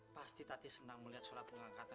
pasti tati senang melihat sholat pengangkatan